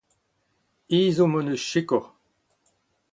Ezhomm hon eus sikour.